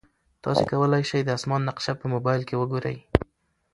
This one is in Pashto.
تاسي کولای شئ د اسمان نقشه په موبایل کې وګورئ.